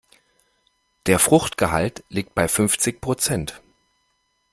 Der Fruchtgehalt liegt bei fünfzig Prozent.